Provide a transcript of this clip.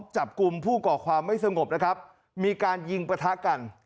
จับกลุ่มผู้เกาะความไม่สงบมีการยิงประทะกัน